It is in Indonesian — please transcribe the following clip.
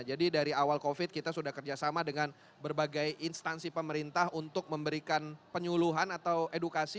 jadi dari awal covid kita sudah kerjasama dengan berbagai instansi pemerintah untuk memberikan penyuluhan atau edukasi